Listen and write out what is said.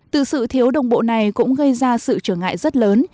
từ sự thiếu đồng bộ này cũng gây ra sự trở ngại rất lớn